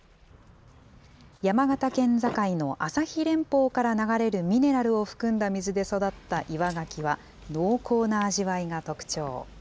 山形県境の朝日連峰から流れるミネラルを含んだ水で育った岩ガキは、濃厚な味わいが特徴。